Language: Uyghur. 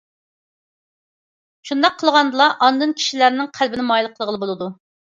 شۇنداق قىلغاندىلا ئاندىن كىشىلەرنىڭ قەلبىنى مايىل قىلغىلى بولىدۇ.